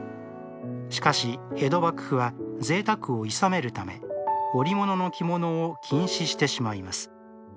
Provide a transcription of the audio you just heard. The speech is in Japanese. しかし江戸幕府はぜいたくをいさめるため織物の着物を禁止してしまいます。